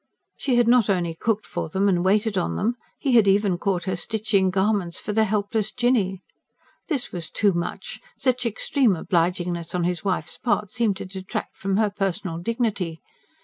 She had not only cooked for them and waited on them; he had even caught her stitching garments for the helpless Jinny. This was too much: such extreme obligingness on his wife's part seemed to detract from her personal dignity.